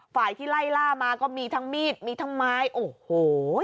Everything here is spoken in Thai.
ฝ่ายที่ไล่ล่ามาก็มีทั้งมีดมีทั้งไม้โอ้โห